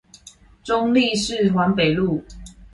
中壢市環北路